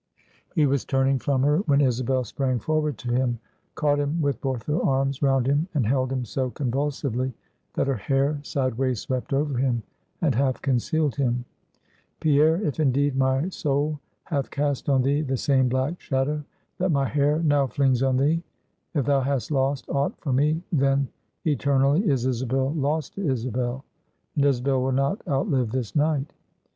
He was turning from her, when Isabel sprang forward to him, caught him with both her arms round him, and held him so convulsively, that her hair sideways swept over him, and half concealed him. "Pierre, if indeed my soul hath cast on thee the same black shadow that my hair now flings on thee; if thou hast lost aught for me; then eternally is Isabel lost to Isabel, and Isabel will not outlive this night.